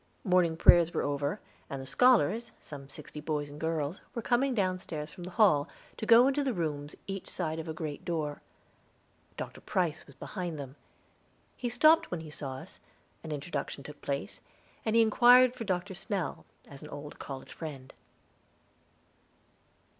Morning prayers were over, and the scholars, some sixty boys and girls, were coming downstairs from the hall, to go into the rooms, each side of a great door. Dr. Price was behind them. He stopped when he saw us, an introduction took place, and he inquired for Dr. Snell, as an old college friend.